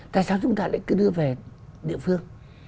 tại sao chúng ta lại cứ đưa về địa phương